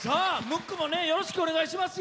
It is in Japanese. ムックもよろしくお願いします。